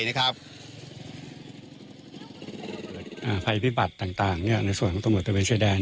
รวมหาภัยพิบัตรต่างในส่วนของตลาดตะเบียนชายแดน